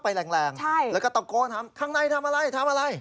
ไปแรงแล้วก็ตะโกนทำข้างในทำอะไรทำอะไร